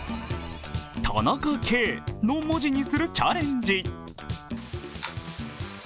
田中圭の文字にするチャレンジ。